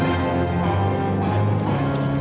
yang sepupu banget